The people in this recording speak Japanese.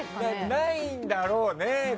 ないんだろうね。